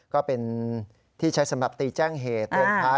ก็เป็นที่ใช้สำหรับตีแจ้งเหตุ